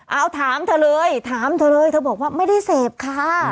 เอาถามเธอเลยถามเธอเลยเธอบอกว่าไม่ได้เสพค่ะ